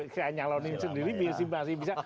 saya nyalonin sendiri biar masih bisa